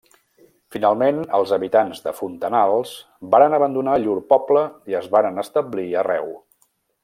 Finalment els habitants de Fontanals varen abandonar llur poble i es varen establir arreu.